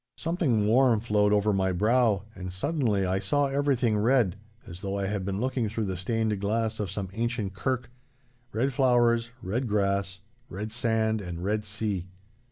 Something warm flowed over my brow, and suddenly I saw everything red, as though I had been looking through the stained glass of some ancient kirk—red flowers, red grass, red sand, and red sea.